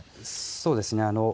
そうですね。